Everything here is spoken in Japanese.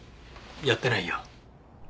やってないよ。